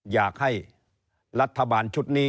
อยากให้รัฐบาลชุดนี้